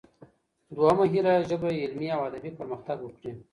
دويمه هيله: ژبه علمي او ادبي پرمختګ وکړي.